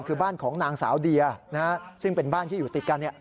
คือบ้านของนางสาวเดียนะฮะซึ่งเป็นบ้านที่อยู่ติดกัน